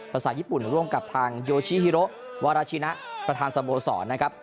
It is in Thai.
ภาษาญี่ปุ่นร่วมกับทางโยชิฮิโรวาราชินะประธานสโมสรนะครับ